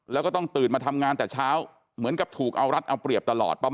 แล้วก็ต้องตื่นมาทำงานแต่เช้าเหมือนกับถูกเอารัดเอาเปรียบตลอด